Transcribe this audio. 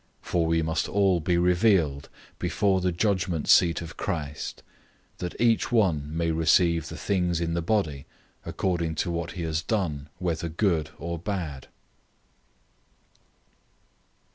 005:010 For we must all be revealed before the judgment seat of Christ; that each one may receive the things in the body, according to what he has done, whether good or bad.